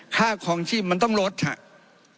ค่าคลองชีพมันต้องลดค่ะ